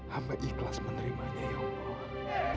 hamba ikhlas menerimanya ya allah